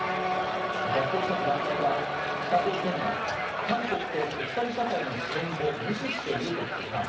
脱北者の団体は北朝鮮が韓国と国際社会の支援を無視していると批判。